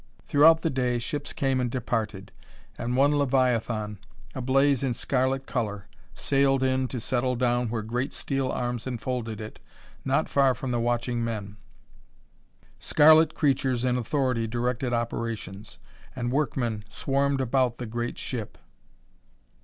Throughout the day ships came and departed, and one leviathan, ablaze in scarlet color; sailed in to settle down where great steel arms enfolded it, not far from the watching men. Scarlet creatures in authority directed operations, and workmen swarmed about the great ship.